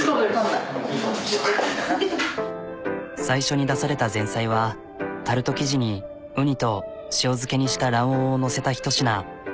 最初に出された前菜はタルト生地にウニと塩漬けにした卵黄を載せたひと品。